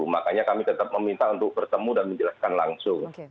makanya kami tetap meminta untuk bertemu dan menjelaskan langsung